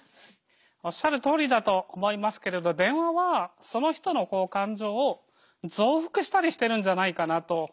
おっしゃるとおりだと思いますけれど電話はその人の感情を増幅したりしてるんじゃないかなと思いますよね。